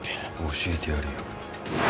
教えてやるよ。